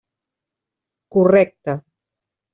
Correcte.